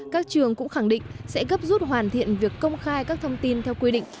các trường cũng khẳng định sẽ gấp rút hoàn thiện việc công khai các thông tin theo quy định